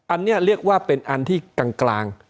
อันนี้เรียกว่าเป็นอันที่กลาง